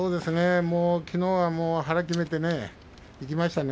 きのうは腹を決めていきましたね。